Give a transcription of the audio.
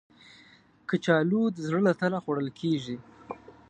کچالو د زړه له تله خوړل کېږي